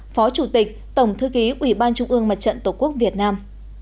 phó chủ tịch tổng thư ký ủy ban trung ương mặt trận tổ quốc việt nam